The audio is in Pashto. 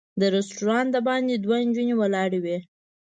د رسټورانټ د باندې دوه نجونې ولاړې وې.